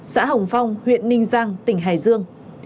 xã hồng phong huyện ninh giang tỉnh hải dương